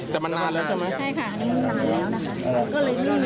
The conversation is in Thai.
ใช่ค่ะนานแล้วนะคะ